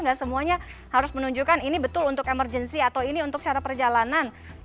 gak semuanya harus menunjukkan ini betul untuk emergency atau ini untuk syarat perjalanan